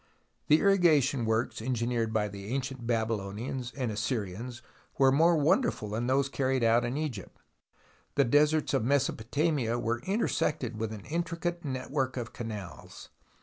The irrigation works engineered by the ancient Babylonians and Assyrians were more wonderful than those carried out in Egypt. The deserts of Mesopotamia were intersected with an intricate network of canals.